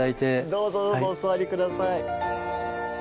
どうぞどうぞお座り下さい。